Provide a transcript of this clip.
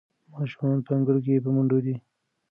ماشومان په انګړ کې په منډو دي.